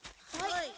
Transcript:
はい。